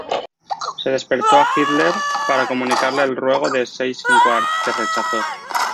Se despertó a Hitler para comunicarle el ruego de Seyss-Inquart, que rechazó.